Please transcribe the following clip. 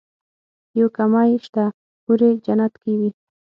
يو کمی شته حورې جنت کې وي.